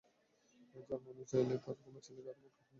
যার মানে চাইলে তোমার ছেলের ঘাড়ও মটকাতে পারি!